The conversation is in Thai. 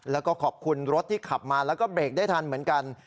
แล้วก็ขอบคุณรถที่ขับมาแล้วก็เบรกได้ทันเหมือนกัน